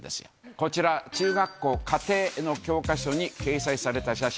こちら、中学校家庭の教科書に掲載された写真。